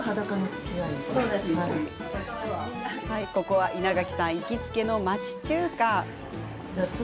ここは、稲垣さん行きつけの町中華。